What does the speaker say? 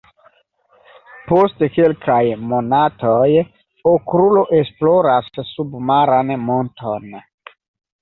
Post kelkaj monatoj, Okrulo esploras submaran monton.